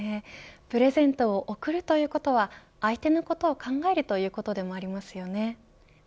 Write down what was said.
プレゼントを贈るということは相手のことを考えるということでもありますよね。